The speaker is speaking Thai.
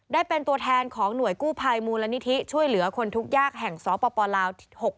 ได้เป็นตัวแทนของหน่วยกู้ภัยมูลนิธิช่วยเหลือคนทุกยากแห่งสปลาว๖๖